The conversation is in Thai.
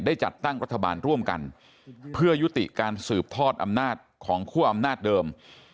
จัดตั้งรัฐบาลร่วมกันเพื่อยุติการสืบทอดอำนาจของคั่วอำนาจเดิม